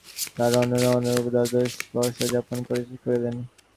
তাঁহারা অরণ্যে কোনরূপে দ্বাদশ বর্ষ যাপন করিলেন।